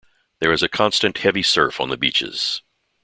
There is a constant, heavy surf on the beaches.